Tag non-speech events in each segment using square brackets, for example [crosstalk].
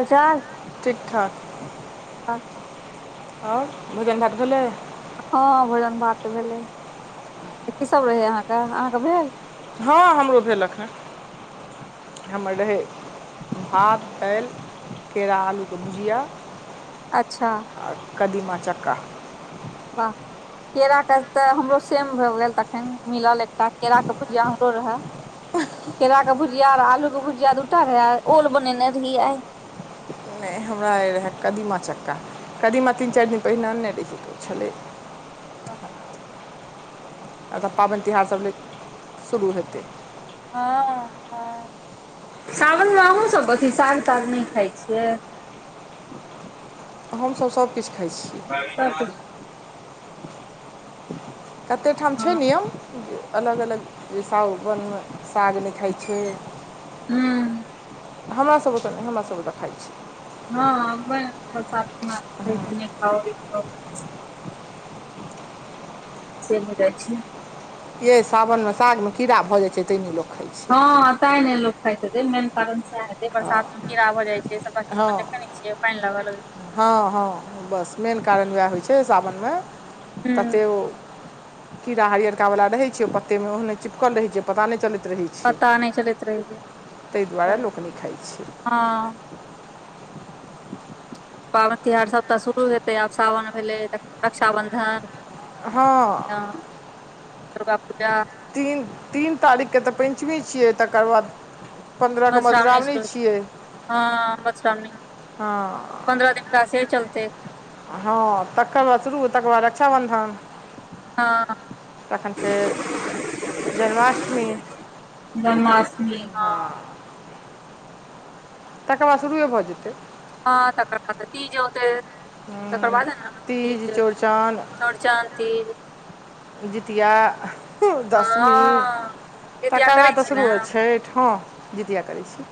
अचार ठीक ठाक और भोजन भात भेलै हँ भोजन भात तऽ भेलै की सब रहै अहाँके अहाँके भेल हँ हमरो भेलख हँ हमर रहै भात आल केरा आलू के भुजिया अच्छा आ कदीमा चक्का। वाह केराके तऽ हमरो सेम भऽ गेल तखन मिलल एकटा केराके भूजा हमरो रहे। केरा के भुजिया आलू के भुजिया दूटा रहे ओल बनेने रहियै आय। नइ हमरा रहै कदीमा चक्का कदीमा तीन चारि दिन पहिने अनने रहिअइ त छलै। [unintelligible] एतऽ पाबनि तिहार सब लै शुरू हेतै। हँ हं सावन मे अहुँ सब अथी साग ताग नइ खाय छियै? हमसब सब किछु खाइ छीयै। सब [unintelligible] कते ठाम छैय न यौ अलग अलग जै सावनमे साग नहि खाइ छैय हूँ हमरासब ओत नहि हमरा सब ओत खाइ छैय। हँ ब बस ख [unintelligible] से नहि जाइ छैय। यैय सावनमे साग मे कीड़ा भऽ जाइ छैय तैं न लोक खाइ छै हँ तैं नहि लोक खाइत हेतै मेन कारण सैह होतै। बरसात मे कीड़ा भ जाइ छैय सबटा चीज मे हँ देखै नहि छियै पानि लागऽ लगै छैय। हँ हँ बस मेन कारण वैह होइ छैय सावनमे छै हूँ तते ओ कीड़ा हरियरका वाला रहै छैय ओ पत्ते मे ओहने चिपकल रहै छैय पता नहि चलैत रहै छैय। पता नहि चलैत रहै छैय दुआरे लोक नहि खाइ छै हँ। पाबनि तिहार सबटाऽ शुरू हेतै आब सावन भेलै रक्षाबन्धन हँ दुर्गा पूजा तीन तीन तारीखके तऽ पञ्चमी छियै तकर बाद पन्द्रह के मधुश्रावणी मधूश्रामनी शुरू छियै हँ हँ। पन्द्रहके [unintelligible] चलतै। हँ तकर बाद शुरू तकर बाद रक्षाबन्धन। हँ तखन फेर जन्माष्टमी हँ। तकर बाद शुरूए भऽ जेतै। हँ तकर बाद तीज होतै। तकर बादे न तीज चौरचन तीज। जितिया [unintelligible] दस मी हँ जितिया तकर करै बाद तऽ छी ने शुरू हो छैठ हँ जितिया करै छी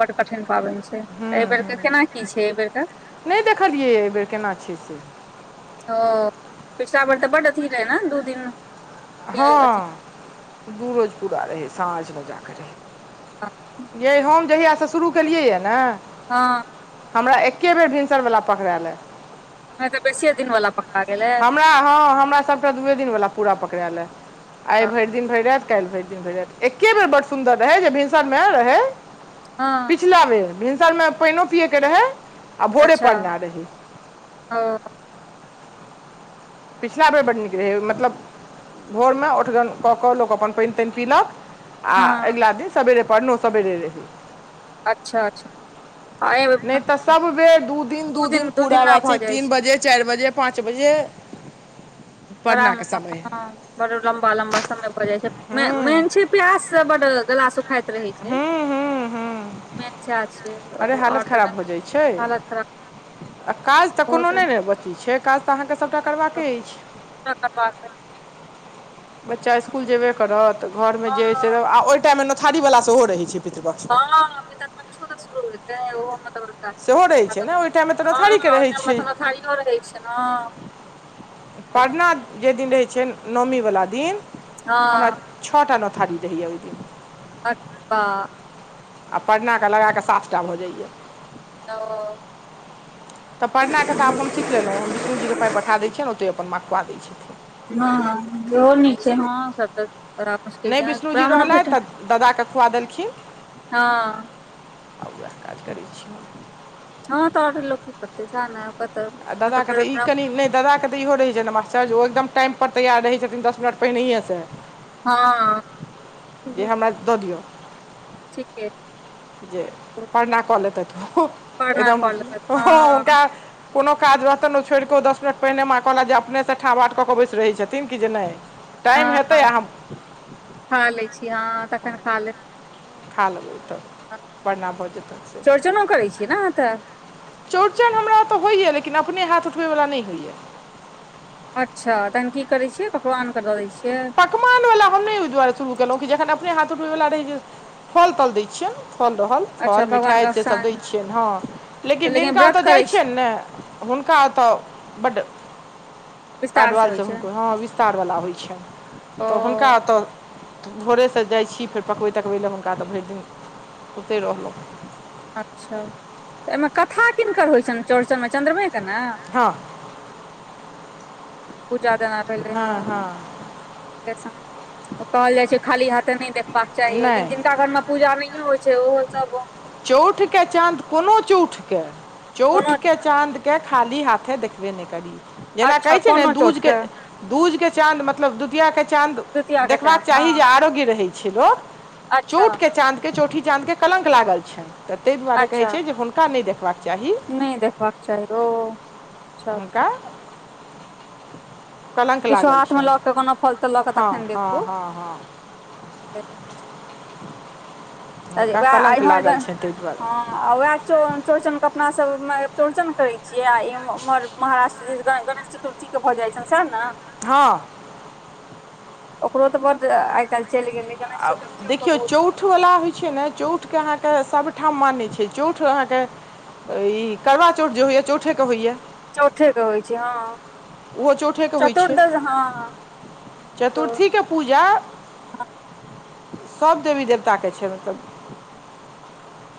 बड्ड कठिन पाबनि छैय हँ अइबेरके केना की छैय अइबेरक? नहि देखलियै अहि बेर केना की छैय से। ओ पिछला बेर तऽ बड अथी रहै ने दू दिन के हँ दू रोज पूरा रहै साँझमे जाके अथी रहै। यैय हम जहियासँ शुरू केलियैए ने हँ हमरा एके बेर भिनसरवला पकड़ायल या। नहि त बेसीेये दिन वाला पकरा गेलैया? हमरा हँ हमरा सबटा दूए दिन वाला पूरा पकड़ायैल या। आइ भरि दिन भरि राति काल्हि भरि दिन भरि राति एके बेर ब्ड सुन्दर रहै जे भिनसरमे रहै हँ पिछिला बेर भिनसर मे पानि पियए के रहै आ भोरे अच्छा पड़ना रहै हँ पिछला बेर बड्ड नीक रहै मतलब भोर मे ओठगन कऽ कऽ लोक अपन पानि तानि पीलक आ हँ अगिला दिन सवेेरे परनो सवेरे रहै। अच्छा अच्छा आ एहिमे नइ तऽ सब बेर दू दिन दू दिन पूरा ब छै तीन बजे चारि बजे पाँच बजे [inaudible] परनाके समय बड लम्बा लम्बा समय भ जाय छै मेन हूँ मेन छै प्यास से बड गलास सुखायत छै हूँ हूँ मे छै अरे हालत आओर त खराब भऽ जाइ छै हालत खराब [unintelligible] आ काज तऽ कोनो बहुत नइ पूरा ने बची छै काज तऽ अहाँकेँ सभटा करबाक अछि [inaudible] बच्चा इस्कुल मुश्किल। जेबे करत घरमे जे से हँ आ ओहि टाईममे नथारीवला सेहो रहै छै पितृपक्षमे हँ पितर पक्षो तऽ शुरू होतै ओहो मतलब सेहो रहै छै ने ओहि टाइममे तऽ हँ नोथारीके ओहि रहै टाइममे छै तऽमाथारिओ रहै छै ने परना जे दिन रहै छै नओमीवला दिन हँ हमरा छओटा नौथारी दैए ओहि दिन [inaudible] आ परनाे लगा कऽ सात टा भऽ जाइयए ओ तऽ परना के आब हम सीख लेलहुँ हम विष्णु जीके पाय पठा दै छियनि ओतहि अपन माँ खोआ दैत छथि हँँ इहो नीक छै हँ सब तऽ बड़ा मुश्किल छै ब्राह्मण भैठ ददाके खुआ देलखिन हँ आ उएह काज करै छी हँ तऽ आर लोक की करतै सेहे ने तऽ आ ददाके तऽ ई कनी नहि दादाकेऽ इहो रहै छै ने मास्टर एकदम टाईम पर तैयार रहै छथिन दस मिनट पहिनइए से हँ जे हमरा दऽ दिअ ठीके जे परना कले त परना एकदम कऽ लेबै हँ हुनका कोनो काज रहतनि ओ छोड़ि कऽ दस मिनट पहिने माँ कहलक जे अपने से ठा भाट कऽ केऽ बैस रहैत छथिन कु जे नहि [inaudible] हँ आ हम खा लै छी हँ तखन खा ले खा लेबै तऽ परना भऽ जेतनि से चौड़चनो करै छियै ने अहाँ तऽ चौड़चन हमरा तऽ होइए लेकिन अपने हाथ उठबैवला नहि होइए अच्छा तहन की करै छियै पकवानके दऽ दै छियै कमान वला हम नहि ओहि दुआरे शुरू केलहुँ कि जखन अपने हाथ उठबै वला रहै छै फल तल दैत छियनि फल रहल अच्छा फल मिठाइ भगवानके सेसभ साँझ दै छियनि हँ लेकिन जिनका व्रत ओतय करै जाइत छी छियनि ने हुनका तऽ बड विस्तारसँ कारडवाल होइ छै हुनको ह विस्तार वाला होइ छै ओ तऽ हुनका तऽ भोरेसँ जाइ छी फेर पकबैत तकबै लए हुनका तऽ भरि दिन ओते रहलहुँ अच्छा तऽ एहिमे कथा किनकर होइ छनि चौड़ चनमे चन्द्रमेके ने हँ पूजा देना पहिले हँ कहल जाइ छै खाली हाथे नहि देखबाक चाही ओहि दिन नहि जिनका घरमे पूजा ओनहिये होइ छै ओहो सब चौठ के चाँद कोनो चौठ के चौठ कोनो के चाँद के खाली हाथे देखबे नइ करी जेना अच्छा कहै छै ने कोनो दूज चोट के दूज के चाँद मतलब दूतिया के चाँद द्वितीया के चाँद देखबाक हँ चाही जे आरोग्य रहै छै अच्छा चोट के चाँद के चोठी चाँद के कलंक लागल छै तइ दुआरे अच्छा कहैत छै जे हुनका नहि देखबाक चाही नहि देखबाक चाही ओ अच्छा हुनका अच्छा कलंक किछो लागल हाथमे छैन लऽ कऽ कोनो फल तल लऽ कऽ हँ तखन हँ देखू हँ हँ। हुनका वएह कलंक इम्हर लागल छैनि ताहि हँ दुआरे। आ उएहे चौड़चनके अपनासभमे चौड़चन करै छियै आ इमहर महाराष्ट्र गणेश चतुर्थी के भऽ जाइत छनि सैह ने? हँ ओकरो तऽ बड आइ काल्हि चलि गेलै गणेश आ चतुर्थीयो के देखियौ बहुत चौठवला होइ छैय ने चौठके अहाँके सभठाम मानै छैय चौठ अहाँके ई करवा चौठ जे होइया चौठे के होइया। चौठेके होइ छैय हँ। ओहो चौठे के होइ छैय चतुर्दश हँ सेहो चतुर्थी के पूजा सब देवी देवता के छैय मतलब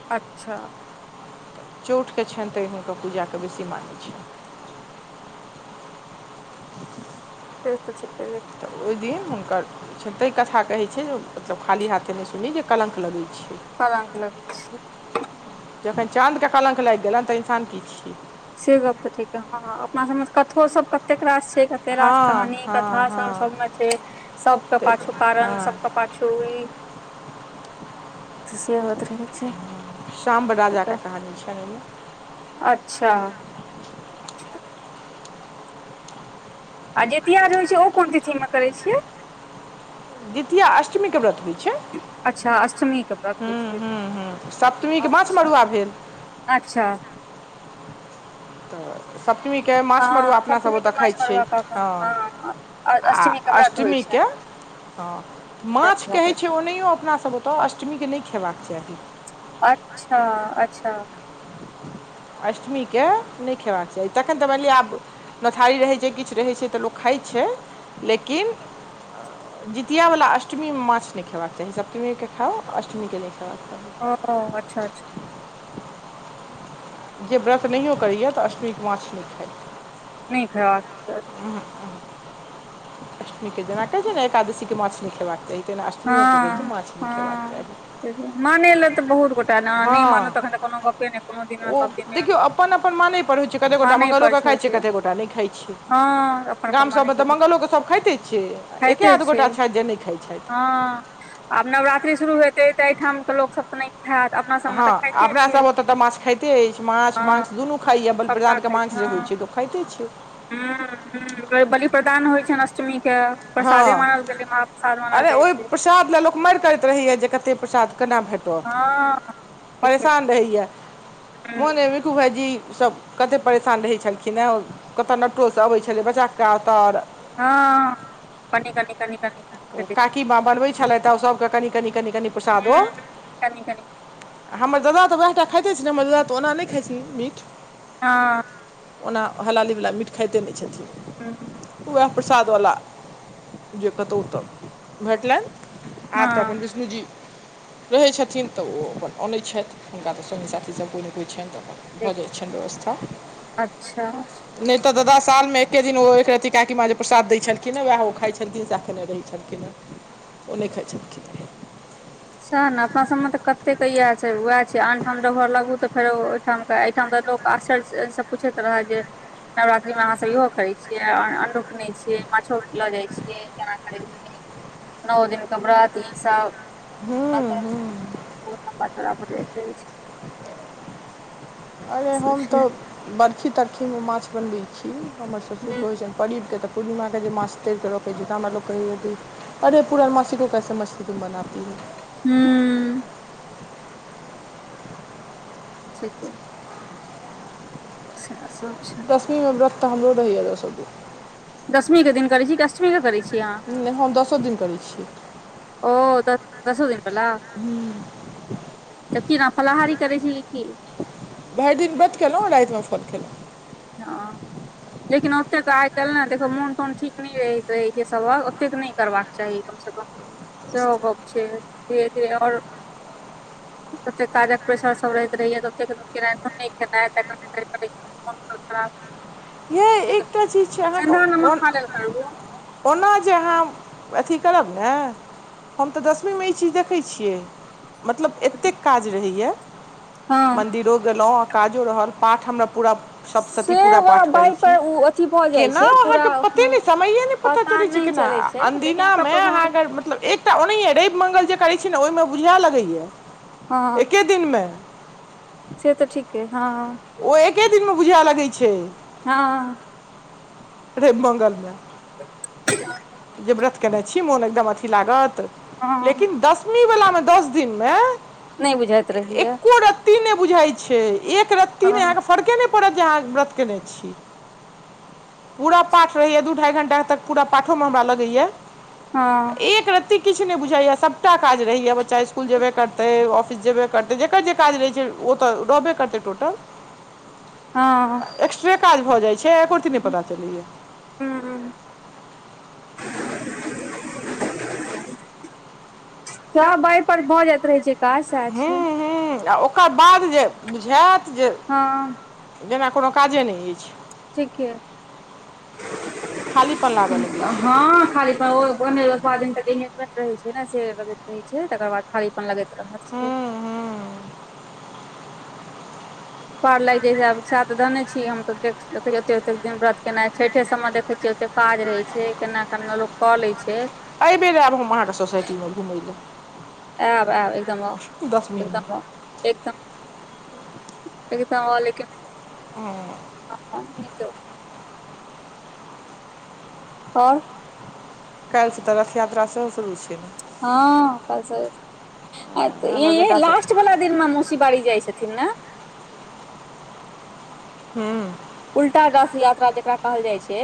अच्छा चौठके छैनि तैनि हुनकर पूजाके बेसी मानै छनि। [inaudible] [unintelligible] तऽ ओहि दिन हुनकर छतहि कथा कहैत छैय जे मतलब खाली हाथे नहि सुनी जे कलंक लगैत छैय। कलंक लगै छैय। जखन चाँद के कलंक लागि गेलनि तऽ इंसान की छियै। से गप तऽ ठीके हँ अपना सब मे कथो सब कतेक राश तेरास हँ कहानी हँ कथा सब हँ सबमें छैय सबके ताहि पाछू कारण सबके पाछू ई से होइत रहै छै [inaudible] शाम बराजा क तऽ कहानी छैय अईमे। अच्छा [inaudible] आ जीतिया जे होइत छैय ओ कोन तिथिमे करैत छियै? जीतिया अष्टमीे के व्रत होइत छैय। अच्छा अष्टमी के व्रत होइ हूं छै हूं हूं सप्तमीके माछ अच्छा मड़ुआ भेल अच्छा सप्तमीे के माछ हँ मारुआ अपना सब सप्तमी के ओतऽ खाइ माछ छियै मरुआ कऽ कऽ हँ आ अष्टमी के व्रत होइ छै अष्टमीके हँ व्रत माछ भऽ कहै गेल छैय ओनहियो अपना सब क अष्टमीके नहि खेबाक चाही। अच्छा अच्छा अष्टमीेँ के नहि खेबाक चाही तखन तऽ बलियै आब मथारी रहै छैय किछु रहै छैय तऽ लोक खाइ छैय लेकिन जितिया वला अष्टमीमे माछ नहि खेबाक चाही सप्तमीके खाउ अष्टमीके नहि खेबाक चाही। ओ अच्छा अच्छा। अच्छा जे व्रत नहियो करैया तऽ अष्टमीक माछ नहि खाइत। नहि [unintelligible] अष्टमी के जेना कहै छैय ने एकादशी के माछ नहि खेबाक चाही। तहिना अष्टमियोके कहै छै हँ माछ नहि खेबाक हँ चाही माने ला तऽ बहुत गोटा ने नहि मानब तखन हँ त कोनो गपे नहि। कोनो दिना ओ सब दिने देखियौ लोक अपन अपन माने पर होइत छैय कते गोटा मानै पर मंगलोके छै होइ खाइत छैय छै कतेक गोटा नहि खाइत छियै। हँ अपन अपन मानै गामसभमे तऽ भेल, मांगलो के सभ खाइते छियै एके खाइते आध छै गोटा छैय जे नहि खाइत छथि। हँ आब नवरात्रि शुरू हेतै तऽ एहिठामकेऽ लोक सब नहि खायत अपन हँ अपनासभ ओतय तऽ माछ खाइते अछि माछ हँ मास दुनू खाइए सबटा बलिप्रदानके मास जे होइत छैय। खाइते छीयै हू ह बलि प्रदान होइ छनि अष्टमी के प्रसादे मानल गेलय मह प्र्रसाद मानल जाइ ओय छै प्रसाद ल म करैत रहैय कतसाद के भेटत हँ ठीके परेश रहैया हूं मोन खू भइजी सब कते परेशान रहै छलखिन हँ कतय नव टोल सँ अबै छलै बच्चा का तर हँ कनी कनी कनी कनी ओ काकी माँ बनबै छलथि त सभके कनि कनि कनि प्रसादो हूं कनि कनि हमर दादा तऽ उएह टा खाइत छै ने हमर दादा तऽ ओना नहि खाइत छी मीठ हँ ओना हलालीवला मीट खाइते नहि हूँ छथिन उएह प्रसादवला जे कहतहुँ ओ तऽ भेटलनि आ त हँ अपन विष्णु जी रहै छथिन तऽ ओ अपन अनैत छथि हुनका तऽ संगी साथीसभ कोइ नहि होइ छनि तऽ अपन भऽ ठीक जा छ व्यवस्था अच्छा अच्छा नहि तऽ दादा साल मे एके दिन एक रती काकी माँ जे प्रसाद दै छलखिन ह वह ओ खाइ छलखिन स केेने रहहि छटकि ओने ख छटकिन सएह ने अपना सबमे तऽ कते इएह छै उएह छियै आन ठाम घर लगू तऽ फेरो ओहिठाम एहिठाम त लोक आशर सब पूछैत रहय जे नवरात्रि मे अहाँ सब इहो करे छियै अन्नू किने छीये माछू लऽ जाइ छियै केना करै छियै नओ दिनके व्रत ई सब हम्म, हम्म। मतलम्बा चौड़ा भर रहै छै अरे हम छै तऽ बर्फी तरखीमे माछ बनबैत छी हमर सभसँ भोजन पढ़िककेऽ पूर्णिमाे जे के मास्तरके रखै जितना मतल लोक कह कि अरे पूरनमासी को कैसे मछली तुम बनातती है हूँ ठीके से सब छै दशमीमे व्रत तऽ हमरो रहैए दस द दशमी के दिन करैत छी कि अष्टमी के करैत छी अहाँ नइ हम दसो दिन करै छियै ओ दस दसो दिन बला हू तऽ कीना फलाहारी करै छै की भरि दिन बरत केलहुँ रति फन केलहुँ हँ लेकिन ओते के आइ कल ने देखो मोन तोन ठीक न रह रहे छै सबक ओतेक नहि करबाक के चाही कम से कम सेहो छै धीरे धीरे ओर ओते काजक परसर सब रहैत रहहिय खेनाइ [unintelligible] [inaudible] यय एकटा चीज छै सेन्धा अहाँके नमक खा लेल करू ओना जे अहाँ अथी करब ने हम त दसमीमे ई चीज देखइ छियै मतलब एतेक काज रहैए हँ मन्दिरो गेलौ आ काजो रहल पाठ हमरा पूरा सप्तशती पूरा सेवा पाठ केना अहाँके पते न हँ समय न पता चलै छै नहि केना छै लेकिन अन्दिना ओकर मे अहाँ प्रभाव अगर मतलब एक ओनहिय रवि मंगल जे करै छी ने ओहिमे बुझा लगैया हँ एके दिन मे से त ठीक है हँ ओ एके दिनमे बुझए लगैत छै हँ रइव मंगल मे [unintelligible] जे व्रत केने छी मोन एकदम अथी लागत हँ लेकिन दस इ वला मे दस दिन मे नइ बुझाइत रहिय एकरत्ती न बुझाइ छै एक रत्ती न हँ अहाँ के फरके नहि हाँ व्रत केने छी पूरा पाठ रहैय दू ढाई घंटा तक पूरा पाठ हम हवा लगए हँ एक रत्त किछु नहि बुझाय सबटा काज रहैया बच्चा स्कुल जेबे करते ऑफिस जेबे करते त जेकर जे काज रहै छै ओ त रहबे करते टोटल हँ एक्स्ट्रे काज भ जाइत छै एकरत्ती नहि पता चलैया हू [inaudible] सब एहिइ पर भ जाइत रहै छै काज सएह हुँ छै हुँ आ ओकर बाद जे बुझाएत जे हँ जेना कोनो काजे नहि अछि ठीके खालीपन लागऽ लगै छै हँ खाली सिन त एंगेजमेंट [unintelligible] रहे छै ने से लग रह छै तकर बाद थाली लगे [unintelligible] अहर से हू पार लागि जाइ छै आब साथ दने छी हम त देख देखे छ ओते ओते दिन व्रत केना छठे सबमे देखे छियै ओते काज रहे छै केना केना लोक क ले छै अ बेर आब हम वहाँके सोसाईटी मे घुमै ले आब आब एकदम एकदम एकदम एकदम लेकिन हुँ हँ त [unintelligible] और काल्हि सँ त रथ यात्रा सेहो शुरू छै ने हँ इ हमर है बेटासभ लास्ट वला दिन मे मुसी बारी जाइ छै छथिन ने हूँ उल्टा गास यात्रा जेकरा कहल जाइ छै